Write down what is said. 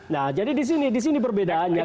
nah jadi di sini perbedaannya